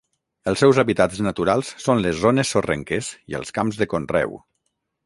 Els seus hàbitats naturals són les zones sorrenques i els camps de conreu.